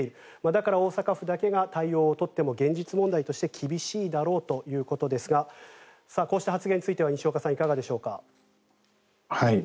だから大阪府だけが対応を取っても、現実問題厳しいだろうということですがこうした発言については西岡さん、いかがでしょうか？